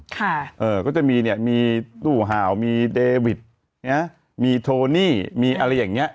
เออก็จะมีเนี่ยมีตู้ห่าวมีเดวิดเนี้ยมีโทนี่มีอะไรอย่างเงี้ย